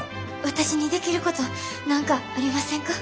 私にできること何かありませんか？